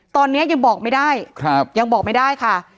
ตอนนี้ยังบอกไม่ได้ยังบอกไม่ได้ค่ะ